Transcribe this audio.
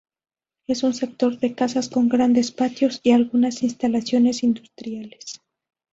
Es un sector de casas con grandes patios y algunas instalaciones industriales.